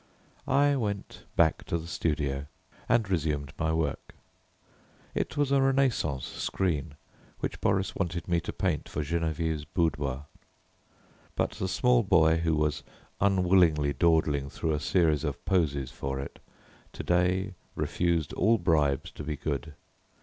I went back to the studio, and resumed my work. It was a Renaissance screen, which Boris wanted me to paint for Geneviève's boudoir. But the small boy who was unwillingly dawdling through a series of poses for it, to day refused all bribes to be good.